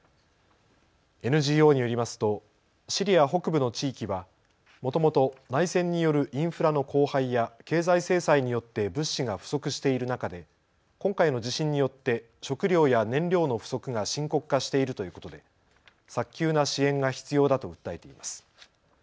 ＮＧＯによりますとシリア北部の地域はもともと内戦によるインフラの荒廃や経済制裁によって物資が不足している中で今回の地震によって食料や燃料の不足が深刻化しているということで早急な支援が必要だと訴えています。